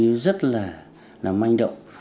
nó rất là manh động